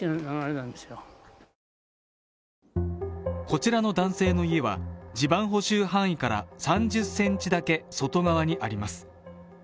こちらの男性の家は地盤補修範囲から３０ｃｍだけ外側にあります。